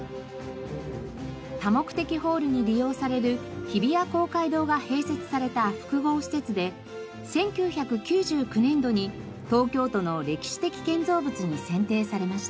多目的ホールに利用される日比谷公会堂が併設された複合施設で１９９９年度に東京都の歴史的建造物に選定されました。